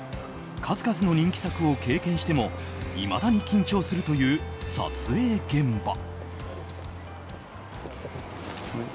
数々の人気作を経験してもいまだに緊張するという撮影現場。